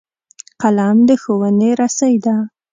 قلم د ښوونې رسۍ ده